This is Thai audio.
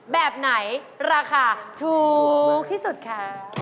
แบบไหนราคาถูกที่สุดคะ